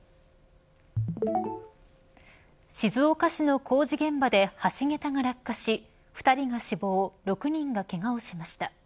静岡市の工事現場で橋げたが落下し２人が死亡６人がけがをしました。